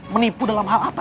menipu dalam hal apa